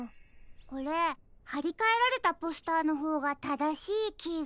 これはりかえられたポスターのほうがただしいきが。